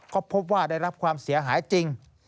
ก็พบว่าได้รับความเสียหายจริง